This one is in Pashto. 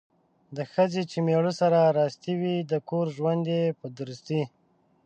د ښځې چې میړه سره راستي وي ،د کور ژوند یې په درستي